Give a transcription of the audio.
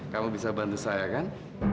kamu bisa bantu saya kan